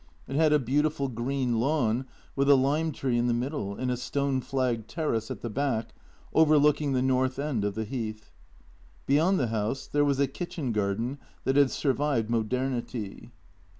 It had a beautiful green lawn with a lime tree in the middle and a stone flagged terrace at the back over looking the north end of the Heath. Behind the house there was a kitchen garden that had survived modernity.